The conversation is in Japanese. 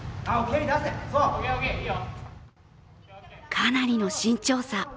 かなりの身長差。